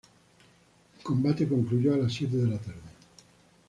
El combate concluyó a las siete de la tarde.